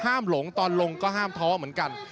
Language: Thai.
หลงตอนลงก็ห้ามท้อเหมือนกัน